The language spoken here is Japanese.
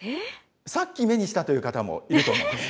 さっき目にしたという方もいると思います。